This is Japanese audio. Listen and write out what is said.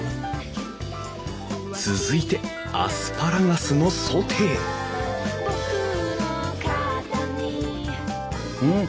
続いてアスパラガスのソテーうん！